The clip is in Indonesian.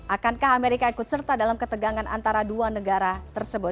akankah amerika ikut serta dalam ketegangan antara dua negara tersebut